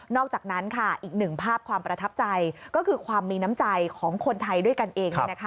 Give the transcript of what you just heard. อกจากนั้นค่ะอีกหนึ่งภาพความประทับใจก็คือความมีน้ำใจของคนไทยด้วยกันเอง